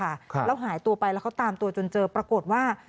แล้วหายตัวไปที่เขาตามตัวจนเจอโทรปรากฏว่า